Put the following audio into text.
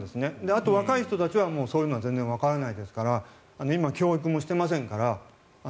あと若い人たちはそういうのは全然わからないですから今、教育もしていませんから。